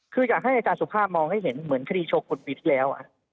คืออยากให้อาจารย์สุภาพมองให้เห็นเหมือนคดีโชว์คนปีที่แล้ว